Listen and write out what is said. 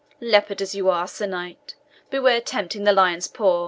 Leopard as you are, Sir Knight, beware tempting the lion's paw.